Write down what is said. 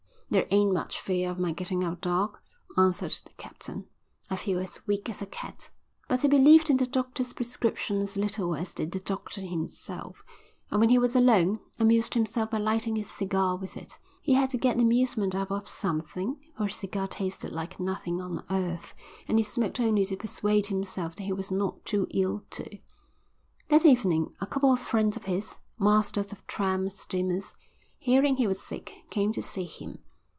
"There ain't much fear of my getting up, doc," answered the captain. "I feel as weak as a cat." But he believed in the doctor's prescription as little as did the doctor himself, and when he was alone amused himself by lighting his cigar with it. He had to get amusement out of something, for his cigar tasted like nothing on earth, and he smoked only to persuade himself that he was not too ill to. That evening a couple of friends of his, masters of tramp steamers, hearing he was sick came to see him.